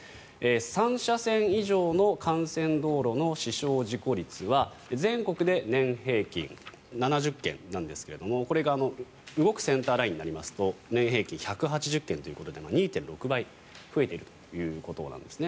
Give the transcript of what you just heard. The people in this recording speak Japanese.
３車線以上の幹線道路の死傷事故率は全国で年平均７０件ですがこれが動くセンターラインになりますと年平均１８０件ということで２．６倍増えているということなんです。